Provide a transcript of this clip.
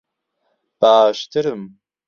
باشترم.